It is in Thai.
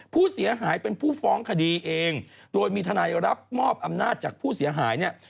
ผู้เสียหายเป็นผู้ฟ้องคดีเองโดยมีทนายรับมอบอำนาจจากผู้เสียหายเนี่ย